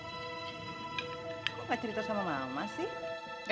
kamu ga cerita sama mama sih